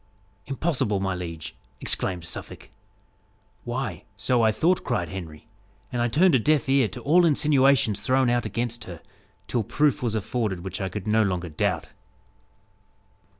"Impossible, my liege?" exclaimed Suffolk. "Why, so I thought," cried Henry, "and I turned a deaf ear to all insinuations thrown out against her, till proof was afforded which I could no longer doubt."